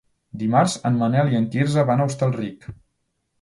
Dimarts en Manel i en Quirze van a Hostalric.